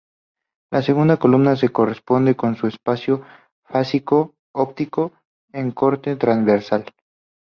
La segunda columna se corresponde con su espacio fásico óptico en un corte transversal.